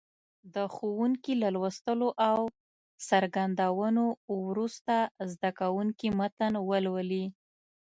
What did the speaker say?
د ښوونکي له لوستلو او څرګندونو وروسته زده کوونکي متن ولولي.